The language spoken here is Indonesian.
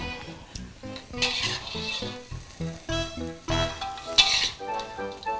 saya juga tuh berani pan